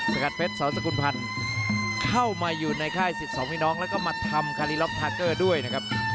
กัดเพชรสอนสกุลพันธ์เข้ามาอยู่ในค่ายสิทธิ์สองพี่น้องแล้วก็มาทำคารีล็อปทาเกอร์ด้วยนะครับ